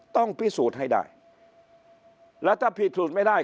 ต้องพิสูจน์ให้ได้แล้วถ้าพิสูจน์ไม่ได้